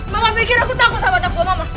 mama mikir aku takut sama tempuh mama